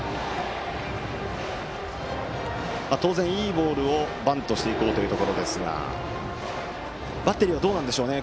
当然いいボールをバントしていこうというところですがバッテリーは、どうでしょうね。